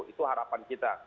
itu harapan kita